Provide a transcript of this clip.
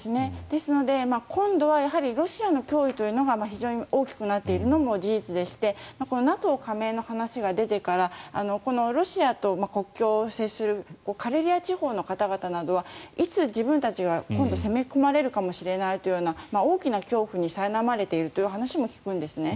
ですので今度はロシアの脅威というのが非常に大きくなっているのも事実でしてこのＮＡＴＯ加盟の話が出てからロシアと国境を接するカレリア地方の方々などはいつ自分たちが今度攻め込まれるかもしれないという大きな恐怖にさいなまれているという話も聞くんですね。